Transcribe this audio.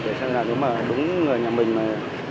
để xem là nếu mà đúng người nhà mình mà